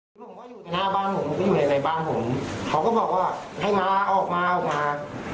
ผมก็อยู่ในหน้าบ้านผมผมก็อยู่ในบ้านผมเขาก็บอกว่าให้มาออกมาออกมา